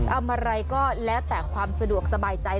อะไรก็แล้วแต่ความสะดวกสบายใจ